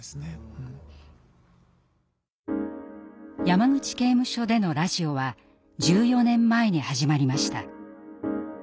山口刑務所でのラジオは１４年前に始まりました。